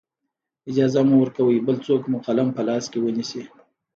اجازه مه ورکوئ بل څوک مو قلم په لاس کې ونیسي.